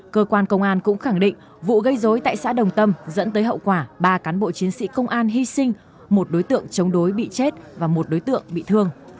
cơ quan công an cũng khẳng định vụ gây dối tại xã đồng tâm dẫn tới hậu quả ba cán bộ chiến sĩ công an hy sinh một đối tượng chống đối bị chết và một đối tượng bị thương